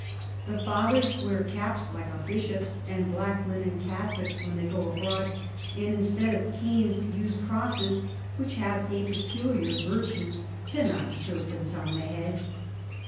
The Fathers wear Caps like a Bishop's, and black Linen Cassocks when they go abroad; and instead of Canes use Crosses, which have a peculiar Virtue to knock Serpents o' the head.